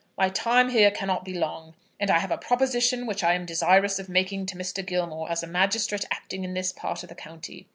My time here cannot be long, and I have a proposition which I am desirous of making to Mr. Gilmore, as a magistrate acting in this part of the county.